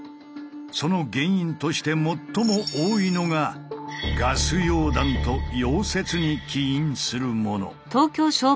その原因として最も多いのがガス溶断と溶接に起因するもの。